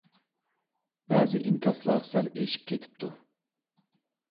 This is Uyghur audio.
بەزى ئىنكاسلار سەل ئېشىپ كېتىپتۇ.